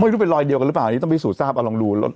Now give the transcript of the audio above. ไม่รู้เป็นรอยเดียวกันหรือเปล่าอันนี้ต้องพิสูจนทราบเอาลองดู